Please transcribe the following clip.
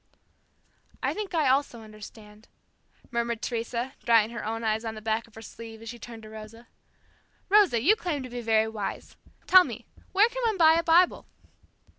"I think I also understand," murmured Teresa, drying her own eyes on the back of her sleeve, as she turned to Rosa. "Rosa, you claim to be very wise. Tell me, where can one buy a Bible?"